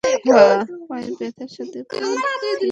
পায়ে ব্যথার সাথে পুরীর কী সম্পর্ক?